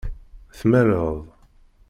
Tmaleḍ.